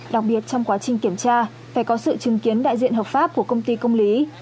đặc biệt trong quá trình kiểm tra phải có sự chứng kiến đại diện hợp pháp của công ty công lý